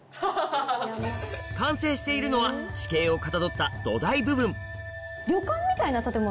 完成しているのは地形をかたどった土台部分・おっ！